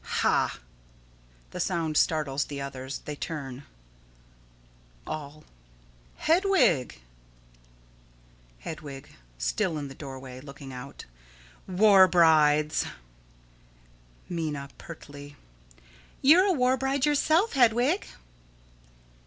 _] Ha! [The sound startles the others. They turn.] All: Hedwig! Hedwig: [Still in the doorway, looking out.] War brides! Minna: [Pertly.] You're a war bride yourself, Hedwig.